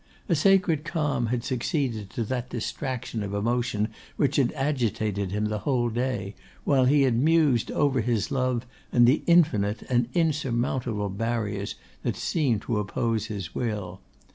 A sacred calm had succeeded to that distraction of emotion which had agitated him the whole day, while he had mused over his love and the infinite and insurmountable barriers that seemed to oppose his will.